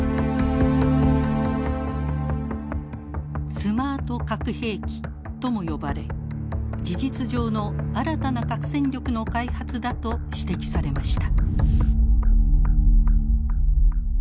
スマート核兵器とも呼ばれ事実上の新たな核戦力の開発だと指摘されました。